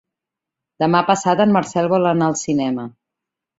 Demà passat en Marcel vol anar al cinema.